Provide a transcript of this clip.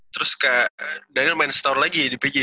terus ke daniel main setahun lagi di pj berarti ya